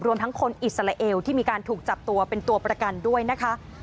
ทั้งคนอิสราเอลที่มีการถูกจับตัวเป็นตัวประกันด้วยนะคะ